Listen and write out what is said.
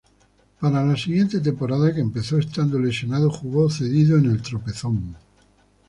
Para la siguiente temporada, que empezó estando lesionado, jugó cedido en el Tropezón.